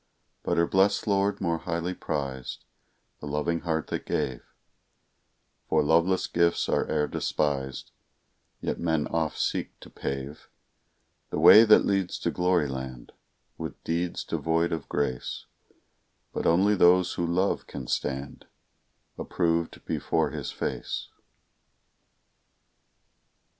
But her blest Lord more highly prized The loving heart that gave; For loveless gifts are e'er despised, Yet men oft seek to pave The way that leads to glory land With deeds devoid of grace; But only those who love can stand Approved before His face.